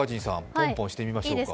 ポンポンしてみましょう。